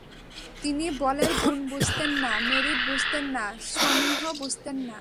তিনি বলের গুণ বুঝতেন না, মেরিট বুঝতেন না, সমীহ বুঝতেন না।